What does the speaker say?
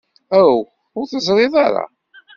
Aw, ur teẓrid ara?